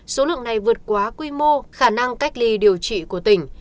số lượng này vượt quá quy mô khả năng cách ly điều trị của tỉnh